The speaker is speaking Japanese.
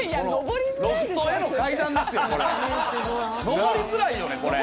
上りづらいよねこれ。